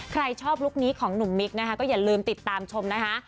ใครชอบลุคนี้ของหนุ่มมิกนะคะก็อย่าลืมติดตามชมนะคะ